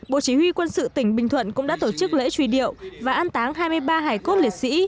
bộ chỉ huy quân sự tỉnh bình thuận cũng đã tổ chức lễ truy điệu và an táng hai mươi ba hải cốt liệt sĩ